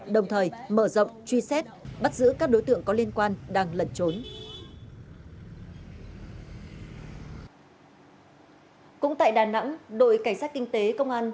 đồng thời mở rộng truy xét bắt giữ các đối tượng có liên quan đang lẩn trốn